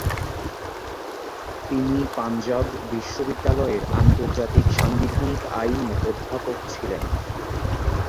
তিনি পাঞ্জাব বিশ্ববিদ্যালয়ের আন্তর্জাতিক সাংবিধানিক আইনের অধ্যাপক ছিলেন।